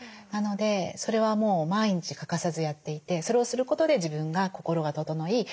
なのでそれはもう毎日欠かさずやっていてそれをすることで自分が心が整い